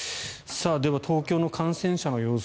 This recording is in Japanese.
東京の感染者の様子